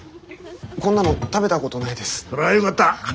こんなの食べたことないです。